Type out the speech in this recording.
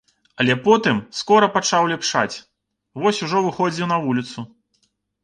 Але потым скора пачаў лепшаць, вось ужо выходзіў на вуліцу.